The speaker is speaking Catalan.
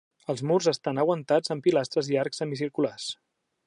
Els murs estan aguantats amb pilastres i arcs semicirculars.